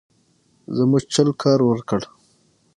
زموږ چل کار ورکړ.